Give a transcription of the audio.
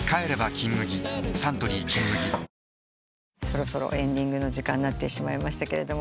そろそろエンディングの時間になってしまいました。